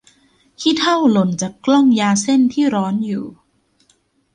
ขี้เถ้าหล่นจากกล้องยาเส้นที่ร้อนอยู่